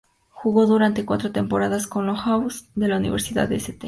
Jugó durante cuatro temporadas con los "Hawks" de la Universidad de St.